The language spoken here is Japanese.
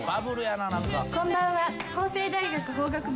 「こんばんは」